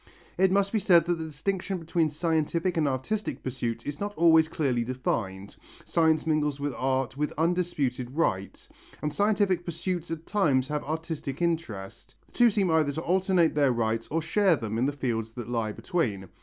It must be said that the distinction between scientific and artistic pursuits is not always clearly defined. Science mingles with art with undisputed right, and scientific pursuits at times have artistic interest. The two seem either to alternate their rights or share them in the fields that lie between.